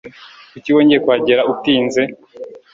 Kuki wongeye kuhagera utinze?